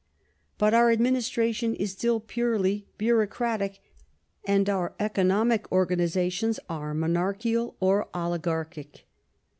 But our administration is still purely bureaucratic, and our economic organizations are monarchical or oligarchic.